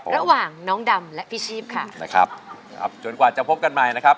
ระหว่างน้องดำและพี่ชีพค่ะนะครับครับจนกว่าจะพบกันใหม่นะครับ